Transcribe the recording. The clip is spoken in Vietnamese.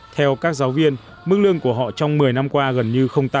theo các giáo viên mức lương của họ trong một mươi năm qua gần như